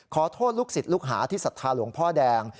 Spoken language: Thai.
ขอโทษลูกศิษย์ลูกหาที่ศรัทธาหลวงพ่อแดง